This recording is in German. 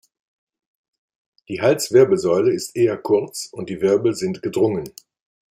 Die Halswirbelsäule ist eher kurz und die Wirbel sind gedrungen.